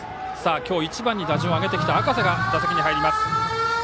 今日、１番に打順を上げてきた赤瀬が打席に入ります。